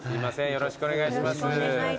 よろしくお願いします。